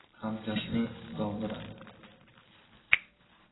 Hamkasbi dovdiradi.